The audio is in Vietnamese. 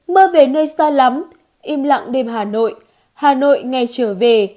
mưa về nơi xa lắm im lặng đêm hà nội hà nội ngày trở về